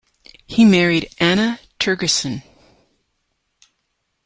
He married Anna Tergersen.